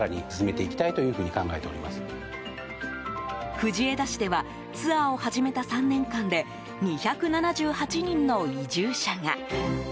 藤枝市ではツアーを始めた３年間で２７８人の移住者が。